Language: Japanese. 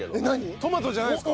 トマトじゃないんですか？